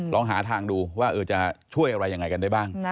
ลองหาทางดูว่าจะช่วยอะไรยังไงกันได้บ้าง